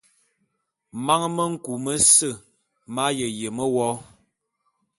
Man me nku mese m'aye yeme wo.